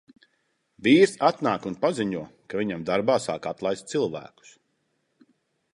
Vīrs atnāk un paziņo, ka viņam darbā sāk atlaist cilvēkus.